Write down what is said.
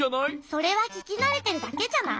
それはききなれてるだけじゃない？